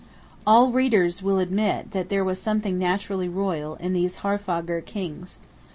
All readers will admit that there was something naturally royal in these Haarfagr Kings.